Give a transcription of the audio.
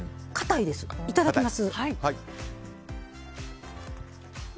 いただきます。